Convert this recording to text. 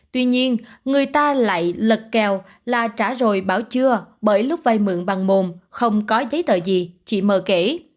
tuy nhiên người ta lại lật kèo là trả rồi bảo chưa bởi lúc vay mượn bằng mồm không có giấy tờ gì chị mờ kể